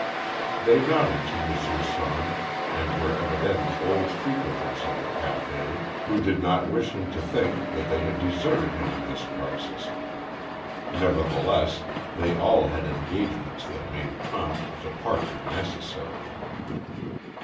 They nodded to M. Sonne and were evidently old frequenters of the café who did not wish him to think they had deserted him in this crisis, nevertheless they all had engagements that made prompt departure necessary.